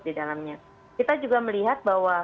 di dalamnya kita juga melihat bahwa